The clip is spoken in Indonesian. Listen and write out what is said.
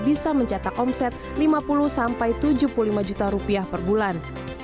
bisa mencetak omset lima puluh sampai tujuh puluh lima juta rupiah per bulan